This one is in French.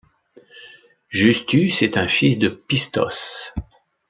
Justus est un fils de Pistos.